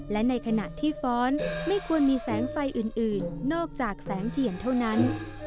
และในขณะที่ฟ้อนไม่ควรมีแสงไฟอื่นนอกจากแสงเทียนเท่านั้น